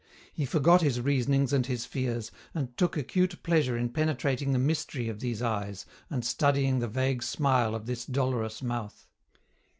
He forgot his reasonings and his fears, and took acute pleasure in penetrating the mystery of these eyes and studying the vague smile of this dolorous mouth.